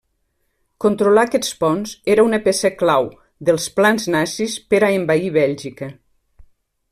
Controlar aquests ponts era una peça clau dels plans nazis per a envair Bèlgica.